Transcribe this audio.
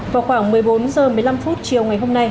vào khoảng một mươi bốn h một mươi năm chiều ngày hôm nay